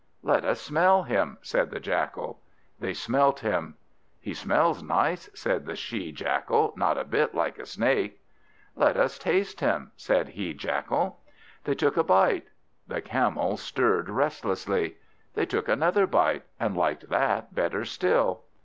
"Let us smell him!" said the He jackal. They smelt him. "He smells nice," said the She jackal; "not a bit like a snake." "Let us taste him!" said the He jackal. They took a bite; the Camel stirred restlessly. They took another bite, and liked that better still.